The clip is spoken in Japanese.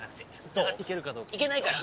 下がって行けるかどうか行けないから！